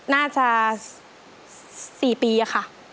น่าจะ๔ปีค่ะ